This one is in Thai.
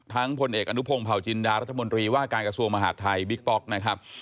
พลเอกอนุพงศ์เผาจินดารัฐมนตรีว่าการกระทรวงมหาดไทยบิ๊กป๊อกนะครับ